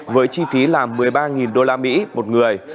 với chi phí là một mươi ba đô la mỹ một người